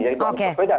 yaitu anies paswedan